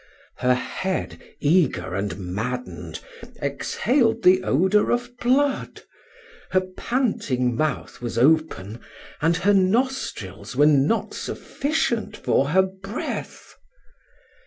Her head, eager and maddened, exhaled the odor of blood. Her panting mouth was open, and her nostrils were not sufficient for her breath.